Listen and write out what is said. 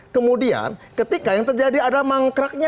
kemudian ketika yang terjadi adalah mangkraknya